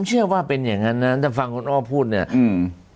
เชื่อว่าเป็นอย่างงั้นนะถ้าฟังคุณอ้อพูดเนี้ยอืม